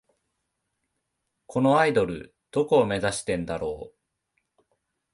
このアイドル、どこを目指してんだろ